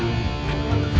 innilah wan ai lagi